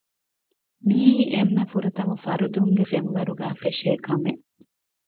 މިއީ އެންމެ ފުރަތަމަ ފަރުދުންގެ ފެންވަރުގައި ފެށޭ ކަމެއް